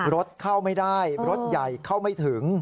รถเข้าไม่ได้รถใหญ่เข้าไม่ถึง